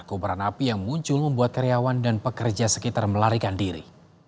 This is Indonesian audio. kobaran api yang muncul membuat karyawan dan pekerja sekitar melarikan diri